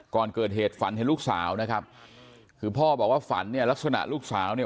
ก่อนเกิดเหตุฝันเห็นลูกสาวนะครับคือพ่อบอกว่าฝันเนี่ยลักษณะลูกสาวเนี่ย